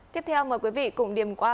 tiếp theo mời quý vị cùng điểm qua